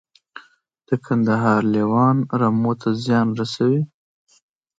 د کندهار لیوان رمو ته زیان رسوي؟